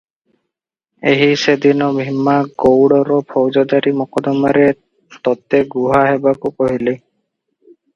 ଏହି ସେଦିନ ଭୀମା ଗଉଡ଼ର ଫୌଜଦାରୀ ମକଦ୍ଦମାରେ ତୋତେ ଗୁହା ହେବାକୁ କହିଲି